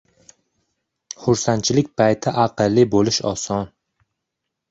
• Xursandchilik payti aqlli bo‘lish oson.